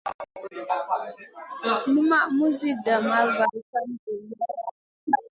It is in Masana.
Numaʼ muzi dam a var kam duniyada.